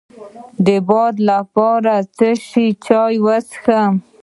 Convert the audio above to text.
د باد لپاره د څه شي چای وڅښم؟